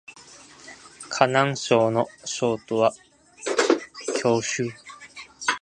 河南省の省都は鄭州